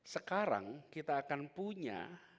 sekarang kita akan punya